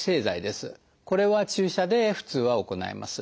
これは注射で普通は行います。